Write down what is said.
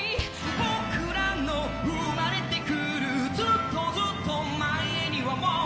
「僕らの生まれてくるずっとずっと前にはもう」